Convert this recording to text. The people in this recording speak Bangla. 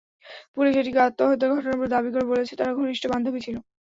পুলিশ এটিকে আত্মহত্যার ঘটনা বলে দাবি করে বলেছে, তারা ঘনিষ্ঠ বান্ধবী ছিল।